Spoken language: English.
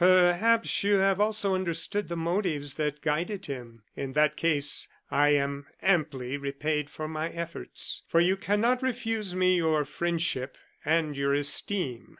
"Perhaps you have also understood the motives that guided him. In that case I am amply repaid for my efforts, for you cannot refuse me your friendship and your esteem.